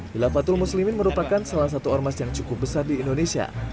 hilafatul muslimin merupakan salah satu ormas yang cukup besar di indonesia